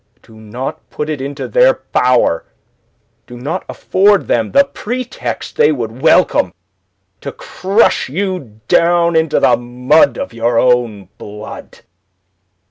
Do not put it into their power, do not afford them the pretext they would welcome to crush you down into the mud of your own blood."